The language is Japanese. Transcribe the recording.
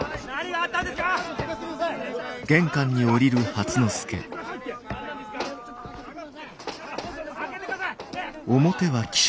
・開けてください！